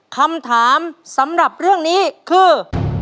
คำถามสำหรับเรื่องนี้คือ